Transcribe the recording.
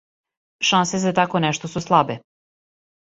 Шансе за тако нешто су слабе.